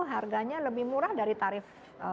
harganya lebih murah dari tarif